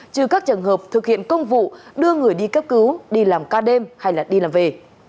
trừ các trường hợp thực hiện công vụ đưa người đi cấp cứu đi làm ca đêm hay đi làm về